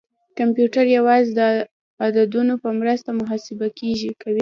کمپیوټر یوازې د عددونو په مرسته محاسبه کوي.